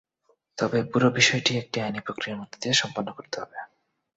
তবে পুরো বিষয়টিই একটি আইনি প্রক্রিয়ার মধ্য দিয়ে সম্পন্ন করতে হবে।